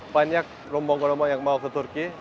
banyak rombong rombong yang mau ke turki